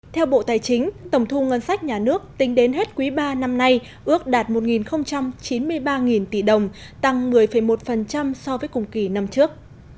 theo bộ tài chính tổng thu ngân sách nhà nước tính đến hết quý ba năm nay ước đạt một chín mươi ba tỷ đồng tăng một mươi một so với cùng kỳ năm trước